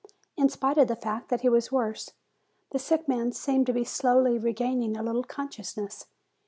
In spite of the fact that he was worse, the sick man seemed to be slowly regaining a little consciousness.